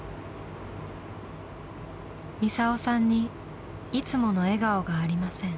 ミサオさんにいつもの笑顔がありません。